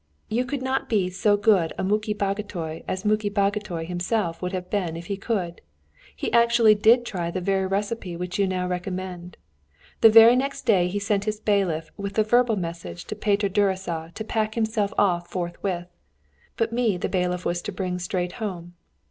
You could not be so good a Muki Bagotay as Muki Bagotay himself would have been if he could. He actually did try the very recipe which you now recommend. The very next day he sent his bailiff with the verbal message to Peter Gyuricza to pack himself off forthwith, but me the bailiff was to bring straight home.